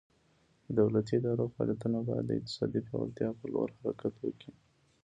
د دولتي ادارو فعالیتونه باید د اقتصادي پیاوړتیا په لور حرکت وکړي.